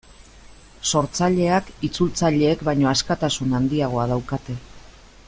Sortzaileak itzultzaileek baino askatasun handiagoa daukate.